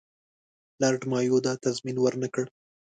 لارډ مایو دا تضمین ورنه کړ.